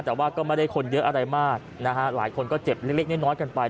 แต่ว่าก็ไม่ได้คนเยอะอะไรมากนะฮะหลายคนก็เจ็บเล็กน้อยกันไป